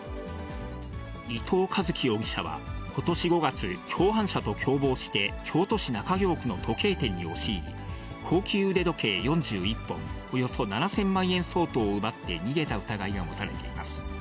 伊藤一輝容疑者は、ことし５月、共犯者と共謀して京都市中京区の時計店に押し入り、高級腕時計４１本、およそ７０００万円相当を奪って、逃げた疑いが持たれています。